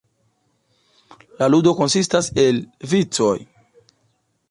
La ludo konsistas el vicoj.